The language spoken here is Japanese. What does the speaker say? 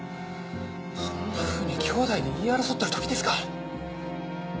そんなふうに姉弟で言い争ってる時ですか？